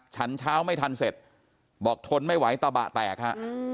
ฉันเช้าไม่ทันเสร็จบอกทนไม่ไหวตะบะแตกฮะ